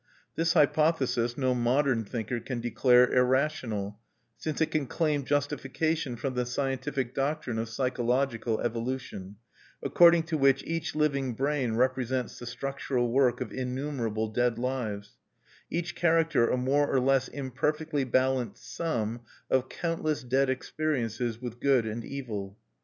This hypothesis no modern thinker can declare irrational, since it can claim justification from the scientific doctrine of psychological evolution, according to which each living brain represents the structural work of innumerable dead lives, each character a more or less imperfectly balanced sum of countless dead experiences with good and evil.